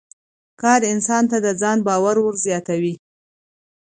کار انسان ته د ځان باور ور زیاتوي